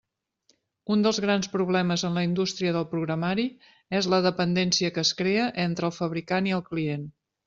Un dels grans problemes en la indústria del programari és la dependència que es crea entre el fabricant i el client.